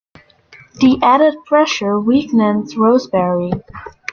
The added pressure weakened Rosebery.